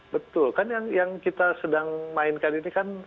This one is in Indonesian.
betul kan yang kita sedang mainkan ini kan